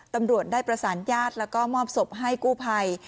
ตำรวจได้ประสานญาติแล้วก็มอบศพให้กู้ภัย